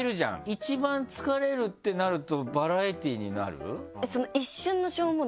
一番疲れるってなるとバラエティーになる？